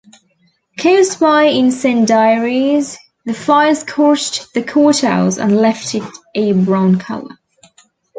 Caused by incendiaries, the fire scorched the courthouse and left it a brown color.